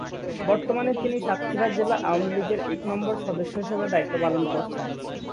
বর্তমানে তিনি সাতক্ষীরা জেলা আওয়ামীলীগের এক নম্বর সদস্য হিসেবে দায়িত্ব পালন করছেন।।